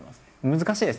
難しいですね